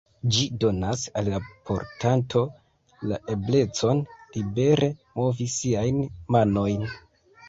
Ĝi donas al la portanto la eblecon libere movi siajn manojn.